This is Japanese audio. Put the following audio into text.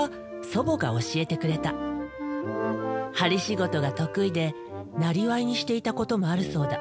針仕事が得意でなりわいにしていたこともあるそうだ。